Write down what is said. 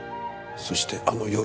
そしてあの夜。